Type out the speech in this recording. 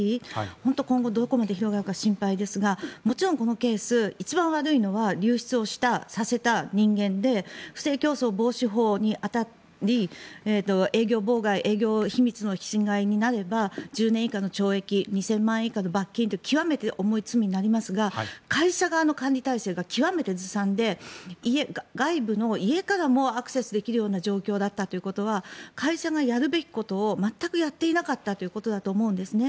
本当、今後どこまで広がるか心配ですが、もちろんこのケース一番悪いのは流出をした、させた人間で不正競争防止法に当たり営業妨害営業秘密の侵害になれば１０年以下の懲役２０００万円以下の罰金という極めて重い罪になりますが会社側の管理体制が極めてずさんで外部の家からもアクセスできるような状況だったということは会社がやるべきことを全くやっていなかったということだと思うんですね。